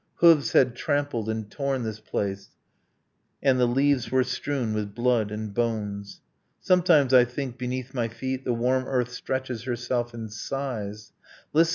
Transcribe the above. Hooves had trampled and torn this place, And the leaves were strewn with blood and bones. Sometimes, I think, beneath my feet, The warm earth stretches herself and sighs. ... Listen!